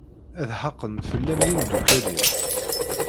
D xaqen fell-am yemdukal-im.